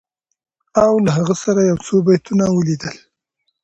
او له هغه سره یو څو بیتونه ولیدل